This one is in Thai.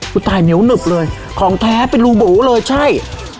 คุณตายเหนียวหนึบเลยของแท้เป็นรูโบเลยใช่